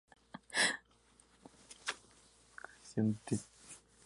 Los aviones los usan en forma ovalada.